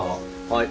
はい。